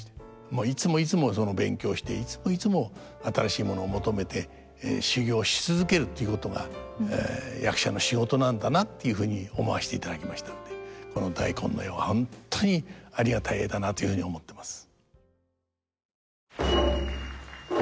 もういつもいつも勉強していつもいつも新しいものを求めて修業し続けるということが役者の仕事なんだなっていうふうに思わせていただきましたのでこの大根の絵は本当にありがたい絵だなというふうに思ってます。